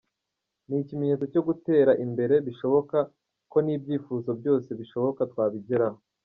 Ni ikimenyetso cy’uko gutera imbere bishoboka, ko n’ibyifuzo byose bishoboka twabigeraho.